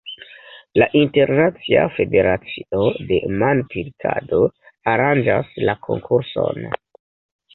La Internacia Federacio de Manpilkado aranĝas la konkurson.